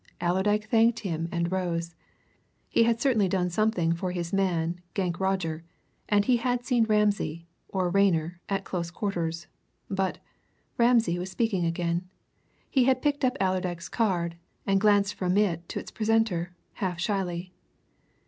Allerdyke thanked him and rose. He had certainly done something for his man Gankrodgers, and he had seen Ramsay, or Rayner, at close quarters, but Ramsay was speaking again. He had picked up Allerdyke's card, and glanced from it to its presenter, half shyly.